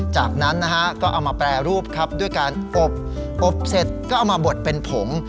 จากนั้นนะฮะก็เอามาแปรรูปครับด้วยการอบอบเสร็จก็เอามาบดเป็นผง